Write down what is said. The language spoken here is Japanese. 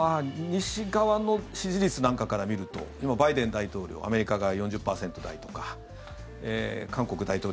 西側の支持率なんかから見ると今バイデン大統領、アメリカが４０％台とか６９％。